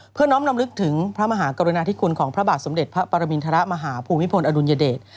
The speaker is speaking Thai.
น้อมลำลึกถึงพระมหากรุณาธิคุณของพระบาทสมเด็จพระปรมินทรมาฮาภูมิพลอดุลยเดช